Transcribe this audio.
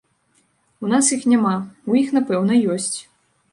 У нас іх няма, у іх, напэўна, ёсць.